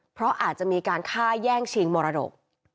เพราะอาจจะมีการฆ่าแย่งชิงมรดก